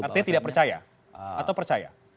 artinya tidak percaya atau percaya